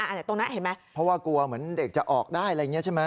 อันนี้ตรงนั้นเห็นไหมเพราะว่ากลัวเหมือนเด็กจะออกได้อะไรอย่างนี้ใช่ไหม